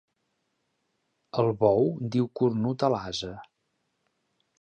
El bou diu cornut a l'ase.